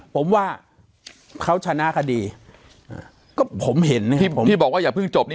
ผมว่าเขาชนะคดีก็ผมเห็นที่บอกว่าอย่าเพิ่งจบนี่